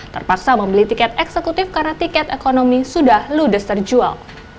terpaksa membeli tiket eksekutif karena tiket ekonomi sudah ludes terjual